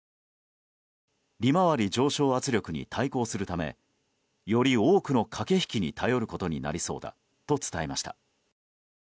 利回り上昇圧力に対抗するためより多くの駆け引きに頼ることになりそうだと伝えました。